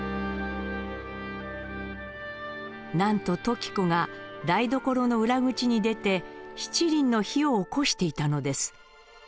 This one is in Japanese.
「何と時子が台所の裏口に出て七輪の火をおこしていたのです。